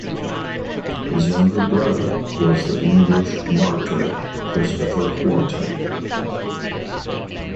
His younger brother was the English martyr Christopher Wharton.